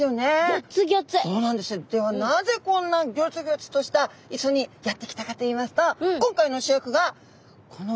ではなぜこんなギョツギョツとした磯にやって来たかといいますと。